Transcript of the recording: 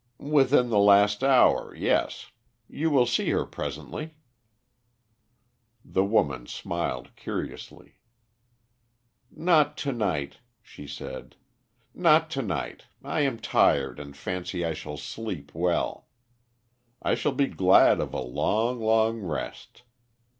"Within the last hour, yes. You will see her presently." The woman smiled curiously. "Not to night," she said. "Not to night. I am tired and fancy I shall sleep well. I shall be glad of a long, long rest.